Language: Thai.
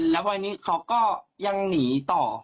แล้วพอนี้เขาก็ยังหนีต่อ